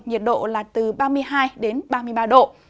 nhiệt độ là từ ba mươi hai đến ba mươi ba độ